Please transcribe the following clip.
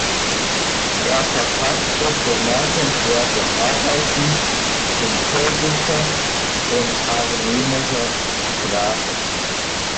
Er verfasste bemerkenswerte Arbeiten in türkischer und armenischer Sprache.